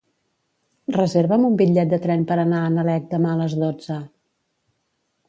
Reserva'm un bitllet de tren per anar a Nalec demà a les dotze.